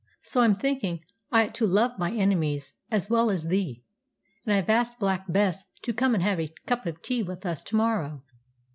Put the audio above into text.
So I'm thinking I ought to love my enemies as well as thee; and I've asked Black Bess to come and have a cup of tea with us to morrow.'